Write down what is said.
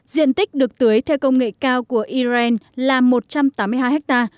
diện tích được tưới theo công nghệ cao của iran là một trăm tám mươi hai ha